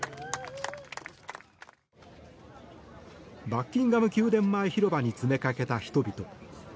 バッキンガム宮殿前広場に詰めかけた人々。